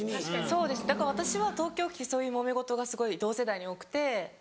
そうですだから私は東京来てそういうもめ事がすごい同世代に多くて。